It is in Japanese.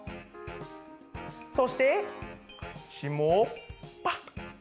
そしてくちもパッ！